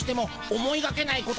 思いがけないこと？